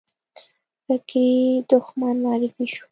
فکري دښمن معرفي شو